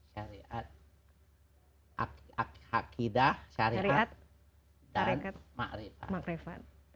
syariat akidah syariat dan makrifat